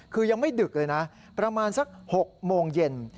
คือยังไม่ดึกเลยนะประมาณสัก๖โมงเย็น